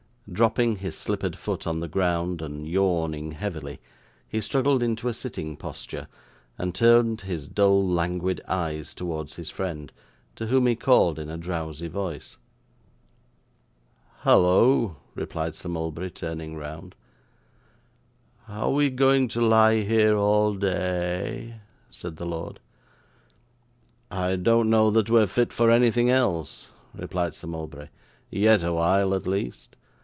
Dropping his slippered foot on the ground, and, yawning heavily, he struggled into a sitting posture, and turned his dull languid eyes towards his friend, to whom he called in a drowsy voice. 'Hallo!' replied Sir Mulberry, turning round. 'Are we going to lie here all da a y?' said the lord. 'I don't know that we're fit for anything else,' replied Sir Mulberry; 'yet awhile, at least.